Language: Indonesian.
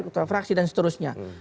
ketua fraksi dan seterusnya